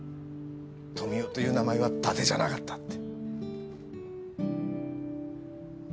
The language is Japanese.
富生という名前はだてじゃなかったって。